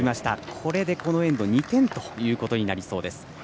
これでこのエンド２点となりそうです。